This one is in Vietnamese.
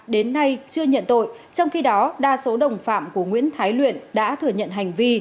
đến nay chưa nhận tội trong khi đó đa số đồng phạm của nguyễn thái luyện đã thừa nhận hành vi